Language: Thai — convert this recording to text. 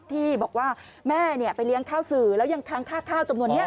ที่บอกว่าแม่ไปเลี้ยงข้าวสื่อแล้วยังค้างค่าข้าวจำนวนนี้